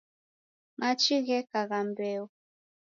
Machi gheka gha mbeo